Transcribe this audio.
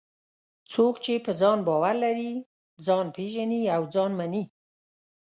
څوک چې په ځان باور لري، ځان پېژني او ځان مني.